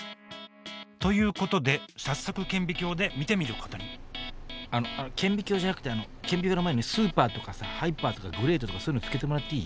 ということで早速顕微鏡で見てみることにあの顕微鏡じゃなくて顕微鏡の前にスーパーとかさハイパーとかグレートとかそういうの付けてもらっていい？